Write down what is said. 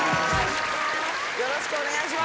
よろしくお願いします。